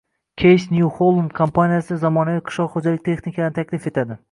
Case New Holland kompaniyasi zamonaviy qishloq xo‘jaligi texnikalarini taklif etadi